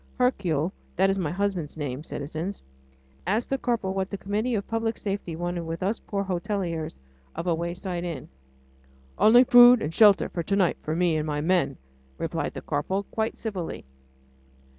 Hercule that is my husband's name, citizens asked the corporal what the Committee of Public Safety wanted with us poor hoteliers of a wayside inn. "Only food and shelter for to night for me and my men," replied the corporal, quite civilly.